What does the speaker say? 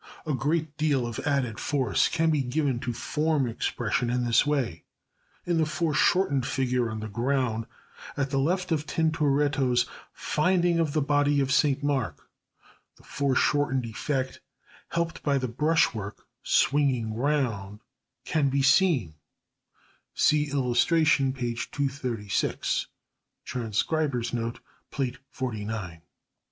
A great deal of added force can be given to form expression in this way. In the foreshortened figure on the ground at the left of Tintoretto's "Finding of the Body of St. Mark," the foreshortened effect helped by the brush work swinging round can be seen (see illustration, page 236 [Transcribers Note: Plate XLIX]).